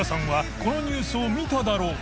このニュースを見ただろうか？